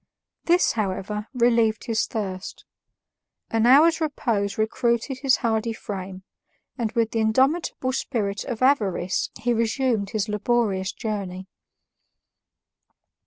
This, however, relieved his thirst; an hour's repose recruited his hardy frame, and with the indomitable spirit of avarice he resumed his laborious journey.